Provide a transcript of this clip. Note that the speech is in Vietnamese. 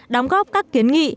đóng góp các kiến nghị